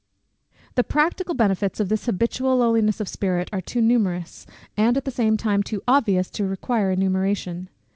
The practical benefits of this habitual lowliness of spirit are too numerous, and at the same time too obvious; to require enumeration.